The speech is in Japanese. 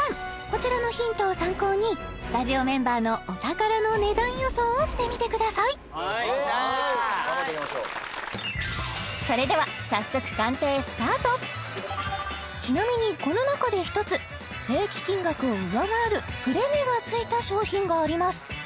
こちらのヒントを参考にスタジオメンバーのお宝の値段予想をしてみてください・頑張っていきましょうそれでは早速ちなみにこの中で１つ正規金額を上回るプレ値がついた商品があります